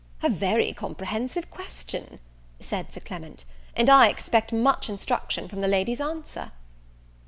"A very comprehensive question," said Sir Clement, "and I expect much instruction from the lady's answer."